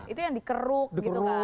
itu yang dikeruk gitu kan